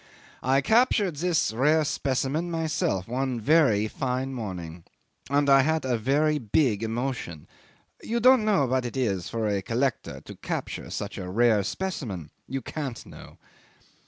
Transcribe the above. "I captured this rare specimen myself one very fine morning. And I had a very big emotion. You don't know what it is for a collector to capture such a rare specimen. You can't know."